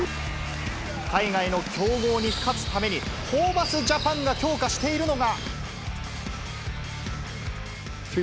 海外の強豪に勝つために、ホーバスジャパンが強化しているのが。